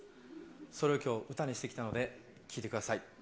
それをきょう、歌にしてきたので聴いてください。